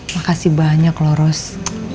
makasih banyak lho rose